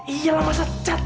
iya lah masa cat